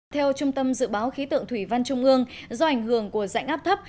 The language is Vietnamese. theo trung tâm dự báo khí tượng thủy văn trung ương do ảnh hưởng của dạnh áp thấp